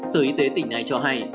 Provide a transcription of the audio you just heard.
sở y tế tỉnh này cho hay